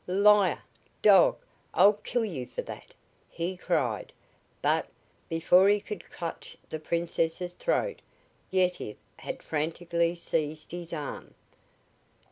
"Liar! Dog! I'll kill you for that!" he cried, but, before he could clutch the Prince's throat, Yetive had frantically seized his arm.